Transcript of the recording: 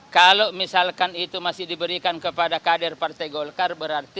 kalau misalkan itu masih diberikan kepada kader partai golkar berarti